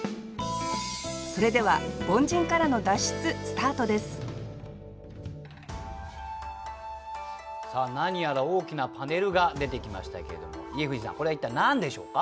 それでは「凡人からの脱出」スタートですさあ何やら大きなパネルが出てきましたけれども家藤さんこれは一体何でしょうか？